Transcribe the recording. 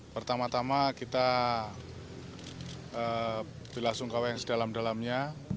pertama tama kita berlangsung ke wn sedalam dalamnya